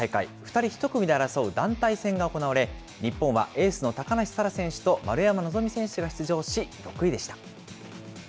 ２人１組で争う団体戦が行われ、日本はエースの高梨沙羅選手と丸山希選手が出場し、６位でした。